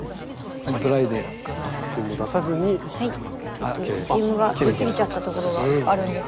ちょっとスチームが出過ぎちゃったところがあるんですけど。